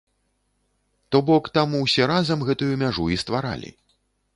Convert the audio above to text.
То бок, там усе разам гэтую мяжу і стваралі.